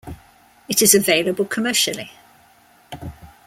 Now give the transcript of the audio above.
It is available commercially.